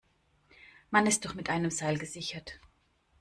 Man ist doch mit einem Seil gesichert!